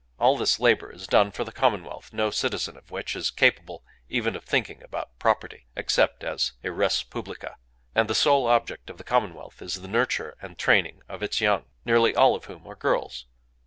All this labor is done for the commonwealth—no citizen of which is capable even of thinking about "property," except as a res publica;—and the sole object of the commonwealth is the nurture and training of its young,—nearly all of whom are girls.